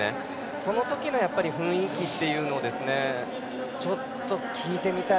そのときの雰囲気というのを聞いてみたい。